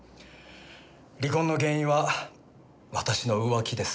離婚の原因は私の浮気です。